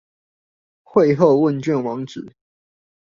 會後問卷網址